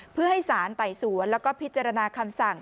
เพื่อให้สารไต่สวนแล้วก็พิจารณาคำสั่ง